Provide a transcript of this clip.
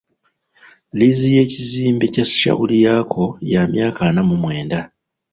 Liizi y’ekizimbe kya Shauriyako ya myaka ana mu mwenda.